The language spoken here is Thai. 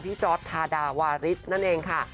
จอร์ดทาดาวาริสนั่นเองค่ะ